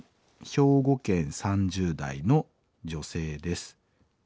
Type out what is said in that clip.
兵庫県３０代の女性です。